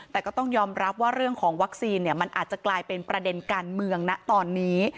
แต่ก็ต้องยอมรับว่าเรื่องของวัคซีนมันอาจจะกลายเป็นประเด็นการเมืองนะตอนนี้